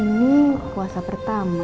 ini kuasa pertama